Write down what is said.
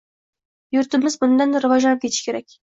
Yurtimiz bundan-da rivojlanib ketishi kerak.